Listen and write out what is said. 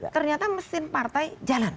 ternyata mesin partai jalan